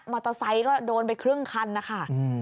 อเตอร์ไซค์ก็โดนไปครึ่งคันนะคะ